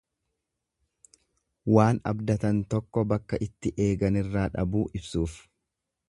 Waan abdatan tokko bakka itti eeganirraa dhabuu ibsuuf.